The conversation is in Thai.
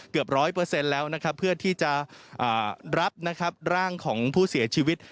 เกือบ๑๐๐แล้วเพื่อที่จะรับร่างของผู้เสียชีวิต